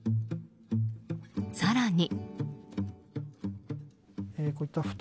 更に。